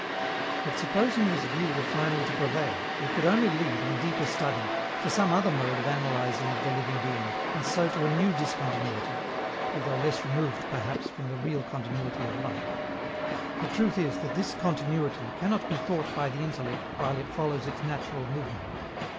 But, supposing this view were finally to prevail, it could only lead, on deeper study, to some other mode of analyzing of the living being, and so to a new discontinuity although less removed, perhaps, from the real continuity of life. The truth is that this continuity cannot be thought by the intellect while it follows its natural movement.